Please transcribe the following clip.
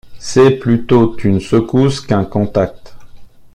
C’est plutôt une secousse qu’un contact.